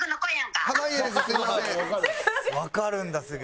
わかるんだすぐ。